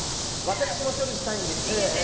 私も処理したいんです。